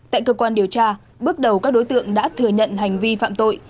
tại cơ quan điều tra bước đầu các đối tượng đã thừa nhận hành vi phạm tội